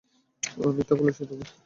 মিথ্যা বলছো তুমি।